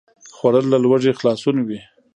خوړل له لوږې خلاصون وي